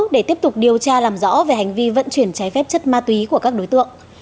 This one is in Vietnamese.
để tiếp tục điều tra làm rõ về hành vi vận chuyển trái phép chất ma túy của các đối tượng